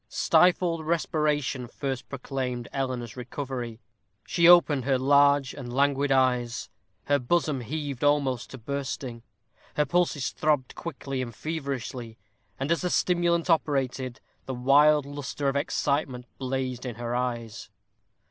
Stifled respiration first proclaimed Eleanor's recovery. She opened her large and languid eyes; her bosom heaved almost to bursting; her pulses throbbed quickly and feverishly; and as the stimulant operated, the wild lustre of excitement blazed in her eyes.